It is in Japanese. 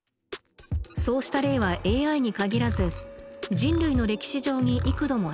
そうした例はＡＩに限らず人類の歴史上に幾度もありました。